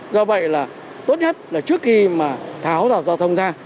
do vậy là tốt nhất là trước khi mà tháo rào thông ra